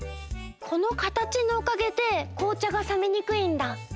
このかたちのおかげでこうちゃがさめにくいんだ。